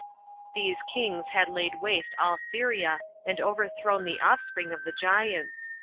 These kings had laid waste all Syria, and overthrown the offspring of the giants.